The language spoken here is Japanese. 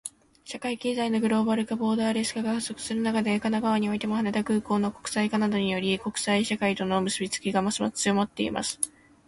社会・経済のグローバル化、ボーダレス化が加速する中で、神奈川においても、羽田空港の国際化などにより、国際社会との結びつきがますます強まっています。